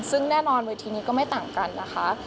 ซึ่งแน่นอนเวทีนี้ก็ไม่ต่างกันนะคะ